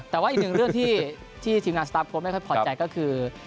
แต่ว่าอีกหนึ่งเรื่องที่ทีมงานสตาร์ฟโค้ไม่ค่อยพอใจก็คือ